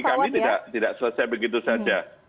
bagi kami tidak selesai begitu saja